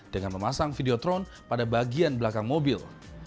dengan memasang video drone pada bagian belakang mobil